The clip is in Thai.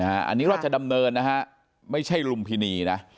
อันนี้ราชดำเนินนะฮะไม่ใช่ลุมพินีนะ